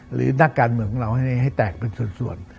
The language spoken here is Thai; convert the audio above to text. นักการเมืองของเราให้แตกเป็นส่วน